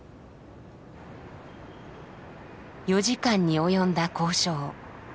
４時間に及んだ交渉。